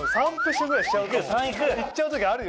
いっちゃう時あるよ。